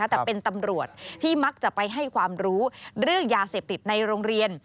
แต่เป็นตำรวจที่มักจะไปให้ความรู้เรื่องยาเสพติดในโรงเรียน